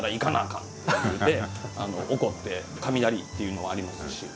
かんって雷っていうのもありますし。